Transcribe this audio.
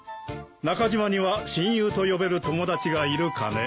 中島には親友と呼べる友達がいるかね？